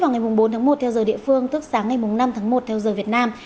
nhưng tại mỹ vào ngày bốn tháng một theo giờ địa phương tức sáng ngày năm tháng một theo giờ việt nam